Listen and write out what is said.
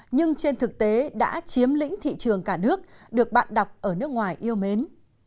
nhưng trên thực tế đã chiếm lĩnh thị trường cả nước được bạn đọc ở nước ngoài yêu mến